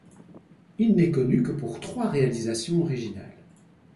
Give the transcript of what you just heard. Il n'est connu que pour trois réalisations originales.